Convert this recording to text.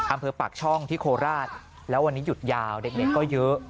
อำเภอปากช่องที่โคราชแล้ววันนี้หยุดยาวเด็กก็เยอะ